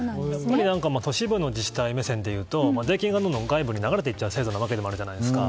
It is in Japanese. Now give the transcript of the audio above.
都市部の自治体目線でいうと税金が外部に流れていく制度なわけじゃないですか。